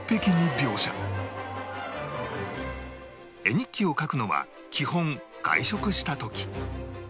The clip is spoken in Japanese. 絵日記を描くのは基本外食した時